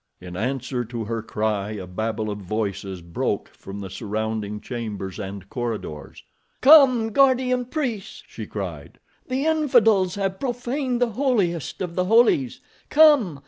In answer to her cry a babel of voices broke from the surrounding chambers and corridors. "Come, Guardian Priests!" she cried. "The infidels have profaned the holiest of the holies. Come!